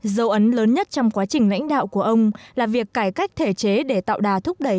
dấu ấn lớn nhất trong quá trình lãnh đạo của ông là việc cải cách thể chế để tạo đà thúc đẩy